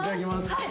はい。